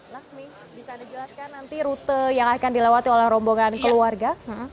laksmi bisa anda jelaskan nanti rute yang akan dilewati oleh rombongan keluarga